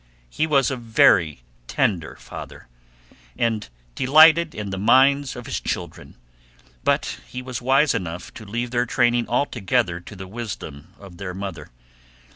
He was a very tender father and delighted in the minds of his children, but he was wise enough to leave their training altogether to the wisdom of their mother.